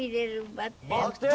「ばってん」！